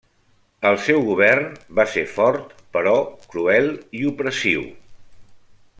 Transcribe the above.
El seu govern va ser fort però cruel i opressiu.